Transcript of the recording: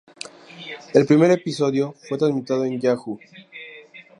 El primer episodio fue transmitido en Yahoo!